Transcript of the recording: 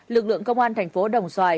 lực lượng công an thành phố đồng xoài